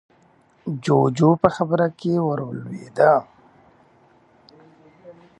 جُوجُو په خبره کې ورولوېد: